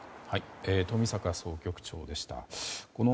冨坂総局長でした。